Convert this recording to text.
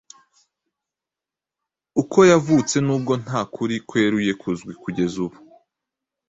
uko yavutse nubwo nta kuri kweruye kuzwi kugeza ubu